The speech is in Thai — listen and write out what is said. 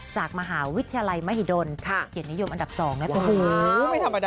จากมหาวิทยาลัยมหิดลเกียรตินิยมอันดับ๒นะจ๊ะ